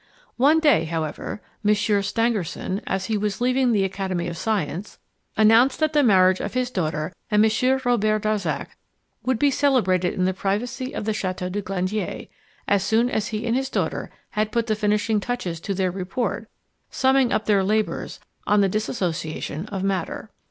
One day, however, Monsieur Stangerson, as he was leaving the Academy of Science, announced that the marriage of his daughter and Monsieur Robert Darzac would be celebrated in the privacy of the Chateau du Glandier, as soon as he and his daughter had put the finishing touches to their report summing up their labours on the "Dissociation of Matter."